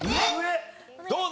どうだ？